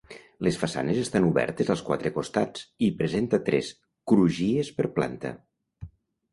Les façanes estan obertes als quatre costats i presenta tres crugies per planta.